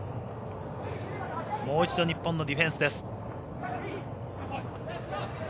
もう一度日本のディフェンスです。